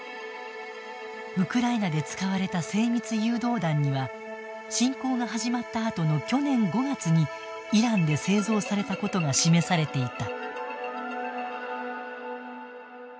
ウクライナで使われた精密誘導弾には侵攻が始まったあとの去年５月にイランで製造されたことが示されていた。